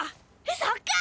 そっか！